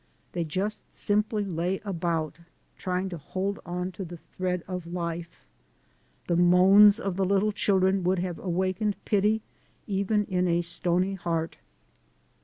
They just simply lay about trying to hold on to the thread of life. The moans of the little children would have awakened pity even in a stony heart.